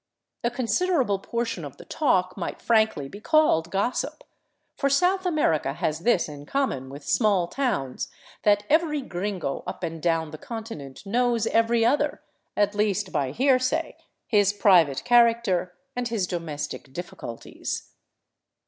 A con siderable portion of the talk might frankly be called gossip; for South America has this in common with small towns, that every gringo up and down the continent knows every other, at least by hearsay, his private character and his domestic difficulties.